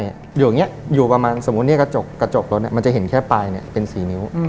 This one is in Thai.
อยู่อย่างนี้อยู่ประมาณสมมุติกระจกรถมันจะเห็นแค่ปลายเป็น๔นิ้ว